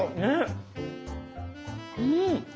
うん。